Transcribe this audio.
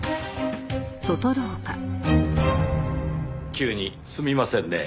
急にすみませんねぇ。